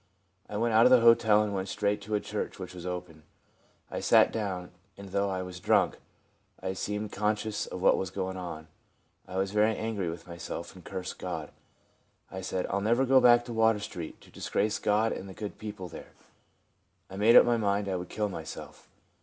I went out of the hotel and went straight to a church which was open. I sat down, and though I was drunk, I seemed conscious of what was going on. I was very angry with myself, and cursed God. I said, " I '11 never go back to Water street, to disgrace UPS AND DOWNS. 57 God and the good people there." I made up my mind I would kill myself.